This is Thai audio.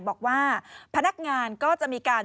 บอกว่าพนักงานก็จะมีการ